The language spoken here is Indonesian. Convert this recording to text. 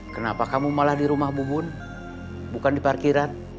kenapa kamu malah di rumah bubun bukan di parkiran